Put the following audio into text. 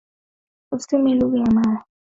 Usitumie lugha ya mama.